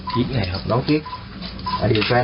กิ๊กไงครับ